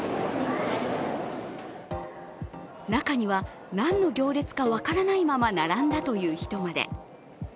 中には何の行列か分からないまま、並んだという人まで。